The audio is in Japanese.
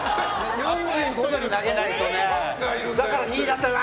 ４５度に投げないとね。